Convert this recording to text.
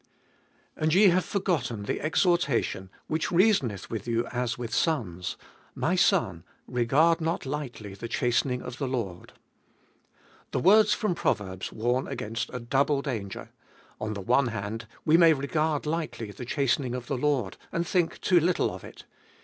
And ye have forgotten the exhortation, which reasoneth with you as with sons, My son, regard not lightly the chastening of the Lord. The words from Proverbs warn against a double danger. On the one hand, we may regard lightly the chastening of the Lord, and think too little of it.